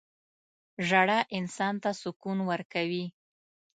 • ژړا انسان ته سکون ورکوي.